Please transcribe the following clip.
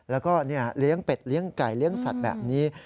แล้วก็เลี้ยงเป็ดเลี้ยงไก่เลี้ยงสัตว์แบบนี้